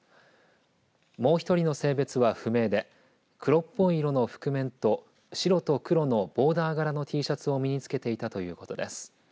もう１人の性別は不明で黒っぽい色の覆面と白と黒のボーダー柄のＴシャツを身につけていたということです。